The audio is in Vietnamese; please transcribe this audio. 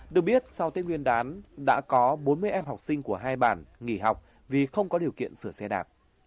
được biết sau tết nguyên đán đã có bốn mươi em học sinh của hai bản nghỉ học vì không có điều kiện sửa xe đạp